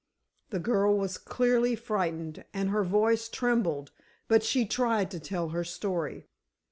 The girl was clearly frightened and her voice trembled, but she tried to tell her story.